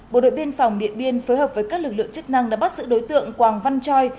bộ đội biên phòng điện biên phối hợp với các lực lượng chức năng đã bắt giữ đối tượng quảng văn choi